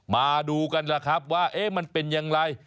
มาดูกันล่ะครับว่ามันเป็นอย่างไร